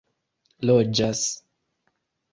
loĝas